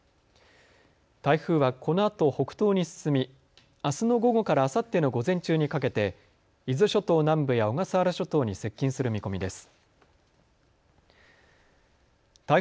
台風はこのあと北東に進みあすの午後からあさっての午前中にかけて伊豆諸島南部や小笠原諸島に接近する見込みです。